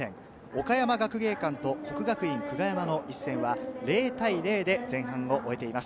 岡山学芸館と國學院久我山の一戦は、０対０で前半を終えています。